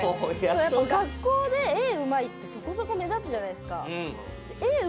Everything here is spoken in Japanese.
やっぱ学校で絵上手いってそこそこ目立つじゃないですか。